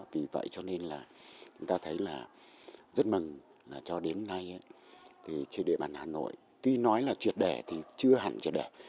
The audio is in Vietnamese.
vì vậy cho nên là chúng ta thấy là rất mừng là cho đến nay trên địa bàn hà nội tuy nói là triệt đẻ thì chưa hẳn triệt đẻ